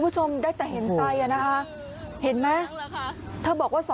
ใช่ไหมฮะเห็นใจอะนะฮะ